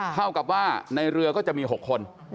เท่ากับว่าในเรือก็จะมี๖คน